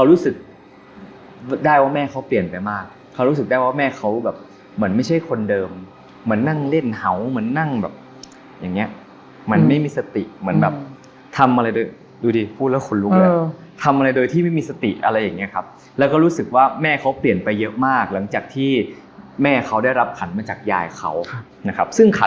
รู้สึกได้ว่าแม่เขาเปลี่ยนไปมากเขารู้สึกได้ว่าแม่เขาแบบเหมือนไม่ใช่คนเดิมเหมือนนั่งเล่นเห่าเหมือนนั่งแบบอย่างเงี้ยมันไม่มีสติเหมือนแบบทำอะไรโดยดูดิพูดแล้วคนรู้เลยทำอะไรโดยที่ไม่มีสติอะไรอย่างเงี้ยครับแล้วก็รู้สึกว่าแม่เขาเปลี่ยนไปเยอะมากหลังจากที่แม่เขาได้รับขันมาจากยายเขานะครับซึ่งขัน